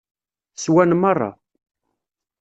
Swan merra.